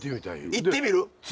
行ってみる？